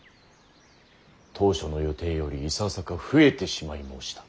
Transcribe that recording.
当初の予定よりいささか増えてしまい申した。